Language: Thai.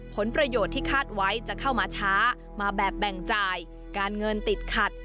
ผลประโยชน์ที่คาดไว้จะเข้ามาช้ามาแบบแบ่งจ่ายการเงินติดขัด